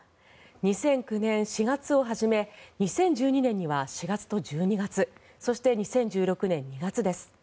２００９年４月をはじめ２０１２年には４月と１２月そして２０１６年２月です。